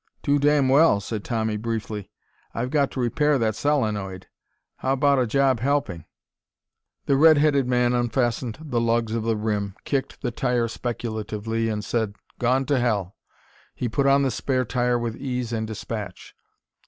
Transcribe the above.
"Too damn well," said Tommy briefly. "I've got to repair that solenoid. How about a job helping?" The red headed man unfastened the lugs of the rim, kicked the tire speculatively, and said, "Gone to hell." He put on the spare tire with ease and dispatch.